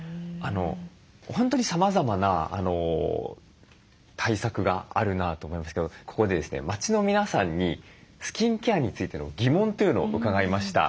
本当にさまざまな対策があるなと思いますけどここでですね街の皆さんにスキンケアについての疑問というのを伺いました。